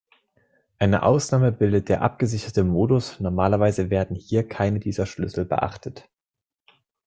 Eine Ausnahme bildet der abgesicherte Modus, normalerweise werden hier keine dieser Schlüssel beachtet.